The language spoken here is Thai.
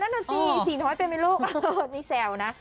นั่นน่ะสิน้อยไปไหมลูกนี่แซวนะ